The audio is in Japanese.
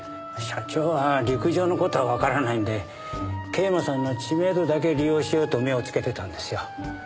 社長は陸上の事はわからないんで桂馬さんの知名度だけ利用しようと目をつけてたんですよ。